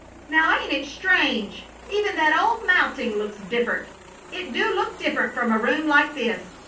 "Now, ain't it strange! Even that old mounting looks diffrunt it do look diffrunt from a room like this.